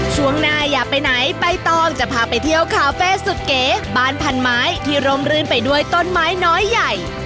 ช่วงหน้าอย่าไปไหนใบตองจะพาไปเที่ยวคาเฟ่สุดเก๋บ้านพันไม้ที่ร่มรื่นไปด้วยต้นไม้น้อยใหญ่